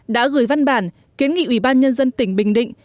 đã gửi văn bản kiến nghị ủy ban nhân dân tỉnh bình định